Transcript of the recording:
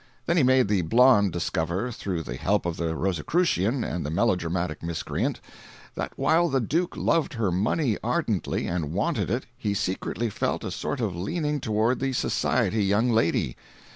Then he made the blonde discover, through the help of the Roscicrucian and the melodramatic miscreant, that while the Duke loved her money ardently and wanted it, he secretly felt a sort of leaning toward the society young lady.